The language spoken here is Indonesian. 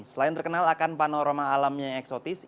selain terkenal akan panorama alamnya yang eksotis